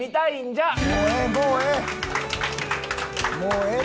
もうええ